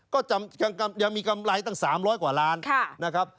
ก็ยังมีกำไรตั้ง๓๐๐กว่าล้านนะครับ